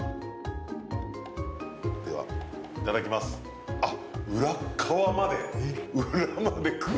では、いただきます。